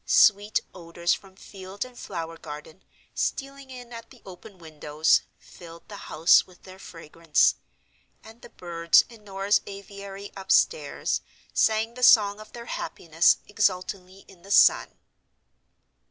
Sweet odors from field and flower garden, stealing in at the open windows, filled the house with their fragrance; and the birds in Norah's aviary upstairs sang the song of their happiness exultingly in the sun.